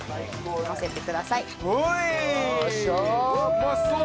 うまそう！